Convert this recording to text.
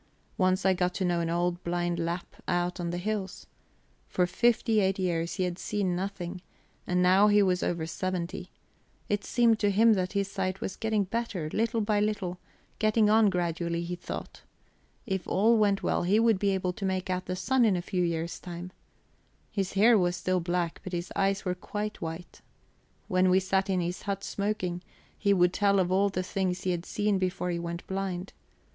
Once I got to know an old blind Lapp up in the hills. For fifty eight years he had seen nothing, and now he was over seventy. It seemed to him that his sight was getting better little by little; getting on gradually, he thought. If all went well he would be able to make out the sun in a few years' time. His hair was still black, but his eyes were quite white. When we sat in his hut, smoking, he would tell of all the things he had seen before he went blind.